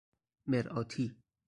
مرآتی